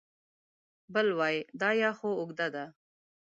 بل وای دا یا خو اوږده ده